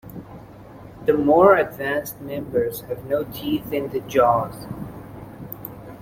The more advanced members have no teeth in the jaws.